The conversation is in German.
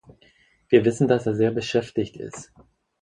Wir wissen, dass er sehr beschäftigt ist.